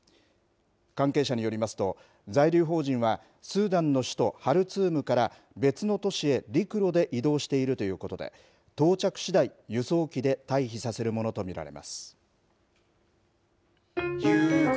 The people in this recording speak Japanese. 関係者によりますと、在留邦人は、スーダンの首都ハルツームから別の都市へ陸路で移動しているということで、到着しだい、輸送機で退避させるものと見られます。